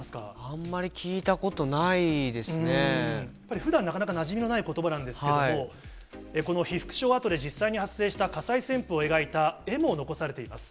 あんまり聞いたことないですふだん、なかなかなじみのないことばなんですけども、この被服廠跡でじょうさいに発生した火災旋風を描いた絵も残されています。